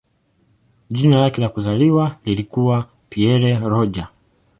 Jina lake la kuzaliwa lilikuwa "Pierre Roger".